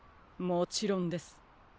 もちろんです。